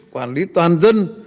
quản lý toàn dân